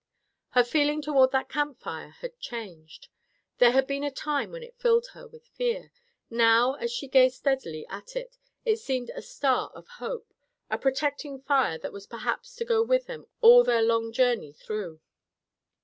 Her feeling toward that camp fire had changed. There had been a time when it filled her with fear. Now, as she gazed steadily at it, it seemed a star of hope, a protecting fire that was perhaps to go with them all their long journey through.